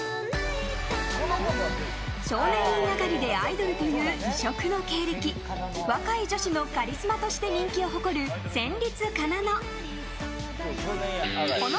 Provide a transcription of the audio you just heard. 少年院上がりでアイドルという異色の経歴若い女子のカリスマとして人気を誇る、戦慄かなの。